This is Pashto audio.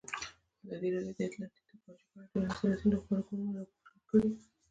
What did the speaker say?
ازادي راډیو د اطلاعاتی تکنالوژي په اړه د ټولنیزو رسنیو غبرګونونه راټول کړي.